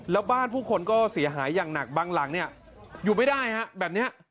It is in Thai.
แล้วบ้านผู้คนก็เสียหายอย่างหนักบางหลังเนี่ยอยู่ไม่ได้ฮะแบบนี้